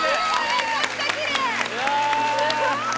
めちゃくちゃきれいすごい。